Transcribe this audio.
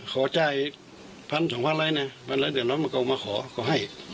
ขอจ่ายพันสองพันไรเนี่ยพันไรเดี๋ยวเรามาขอก็ให้